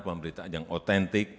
pemberitaan yang otentik